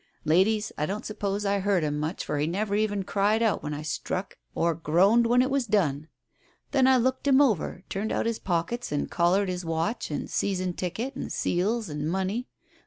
Ladies, I don't suppose I hurt him much, for he never even cried out when I struck or groaned when it was done. Then I looked him over, turned out his pockets and collared his watch and season ticket and seals and money.